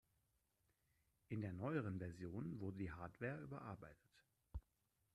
In der neueren Version wurde die Hardware überarbeitet.